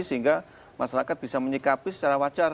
sehingga masyarakat bisa menyikapi secara wajar